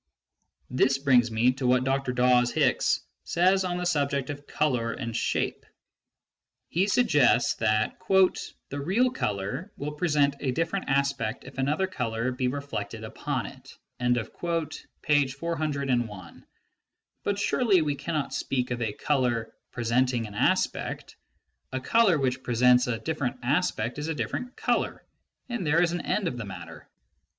This brings me to what Dr. Dawes Hicks says on the subject of colour and shape. He suggests that " the real colour will present a dift ent aspect if another colour be reflected upon it " (p. 401). But o 'ly we cannot speak of a colour " presenting an aspect". A colour which presents a different aspect is a different colour, and there is an end of the matter.